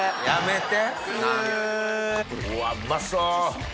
うわうまそう！